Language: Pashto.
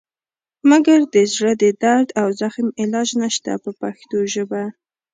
مګر د زړه د درد او زخم علاج نشته په پښتو ژبه.